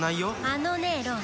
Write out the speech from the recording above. あのねロン